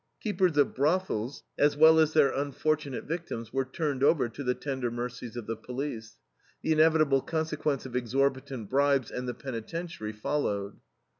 Keepers of brothels, as well as their unfortunate victims, were turned over to the tender mercies of the police. The inevitable consequence of exorbitant bribes, and the penitentiary, followed.